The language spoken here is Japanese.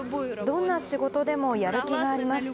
どんな仕事でもやる気があります。